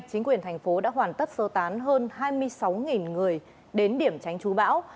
chính quyền thành phố đã hoàn tất sơ tán hơn hai mươi sáu người đến điểm tránh trú bão